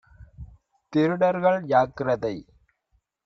திருடர்கள் ஜாக்கிரதை